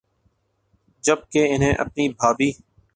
جب کہ انہیں اپنی بھابھی